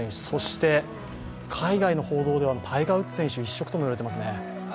そして、海外の報道ではタイガー・ウッズ選手一色ともいわれていますね。